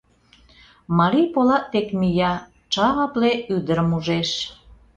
Марий полат дек мия — ча-апле ӱдырым ужеш.